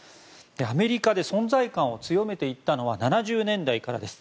アメリカで存在感を強めていったのは７０年代からです。